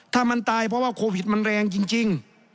ถ้ามันตายเพราะว่าโควิดมันแรงจริง